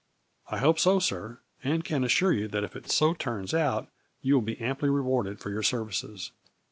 91 " I hope so, sir, and can assure you that if it so turns out you will be amply rewarded for your services.